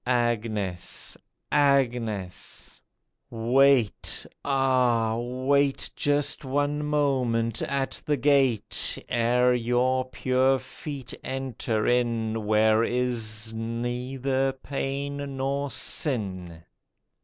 Agnes ! Agnes ! wait, ah ! wait Just one moment at the gate, Ere your pure feet enter in Where is neither pain nor sin.